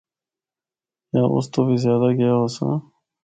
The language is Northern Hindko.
یا اس تو بھی زیادہ گیا ہوساں۔